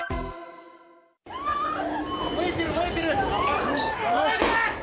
燃えてる、燃えてる。